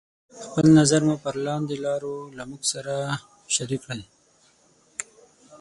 خپل نظر مو پر لاندې لارو له موږ سره شريکې کړئ: